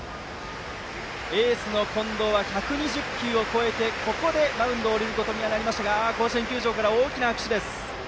エースの近藤は１２０球を超えてここでマウンドを降りることになりましたが甲子園球場から大きな拍手です。